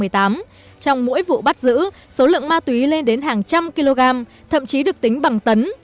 trong mỗi vụ bắt giữ số lượng ma túy lên đến hàng trăm kg thậm chí được tính bằng tấn